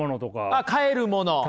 あ買えるもの。